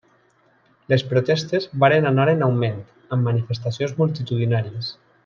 Les protestes varen anar en augment, amb manifestacions multitudinàries.